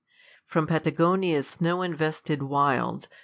FROM Patagonia's snow invested wilds.